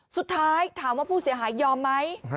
สุดท้ายถามว่าผู้เสียหายยอมไหม